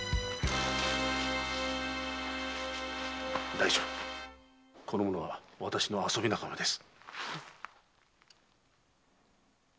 大丈夫この者は私の遊び仲間です。